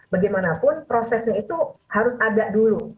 bagaimanapun prosesnya itu harus ada dulu